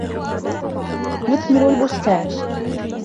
يُثْمِرُ الْبُسْتانُ.